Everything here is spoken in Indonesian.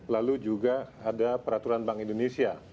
lalu juga ada peraturan bank indonesia